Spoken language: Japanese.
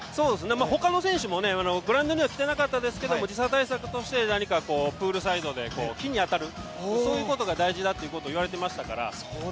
他の選手も、グラウンドには来ていなかったですけれども、時差対策としてプールサイドで日に当たるということが大事だと言われていましたから。